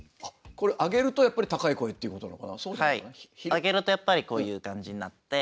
上げるとやっぱりこういう感じになって。